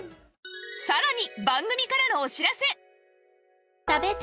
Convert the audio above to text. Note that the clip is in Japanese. さらに